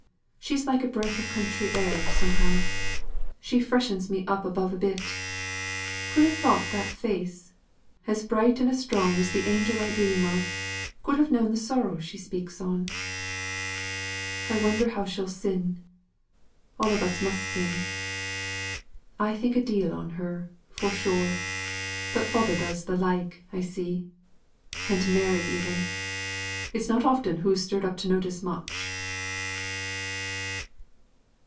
She's like a breath of country air, somehow. She freshens me up above a bit. Who'd a thought that face as bright and as strong as the angel I dream of could have known the sorrow she speaks on? I wonder how she'll sin. All on us must sin. I think a deal on her, for sure. But father does the like, I see. And Mary even. It's not often hoo's stirred up to notice much."